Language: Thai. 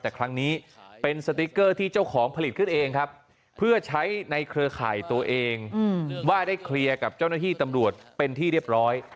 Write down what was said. แต่ครั้งนี้เป็นสติ๊กเกอร์ที่เจ้าของผลิตขึ้นเองครับเพื่อใช้ในเครือข่ายตัวเองว่าได้เคลียร์กับเจ้าหน้าที่ตำรวจเป็นที่เรียบร้อย